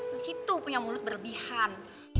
masih tuh punya mulut berlebihan